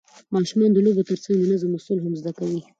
ماشومان د لوبو ترڅنګ د نظم اصول هم زده کوي